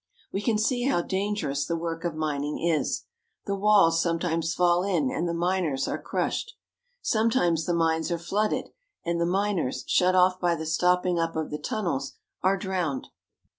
We can see how dangerous the work of mining is. The walls sometimes fall in and the miners are crushed. Some times the mines are flooded, and the miners, shut off by the stopping up of the tunnels, are drowned.